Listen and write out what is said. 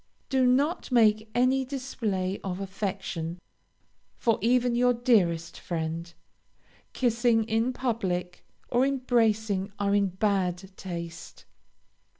Do not make any display of affection for even your dearest friend; kissing in public, or embracing, are in bad taste.